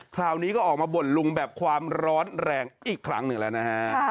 คราวนี้ก็ออกมาบ่นลุงแบบความร้อนแรงอีกครั้งหนึ่งแล้วนะฮะ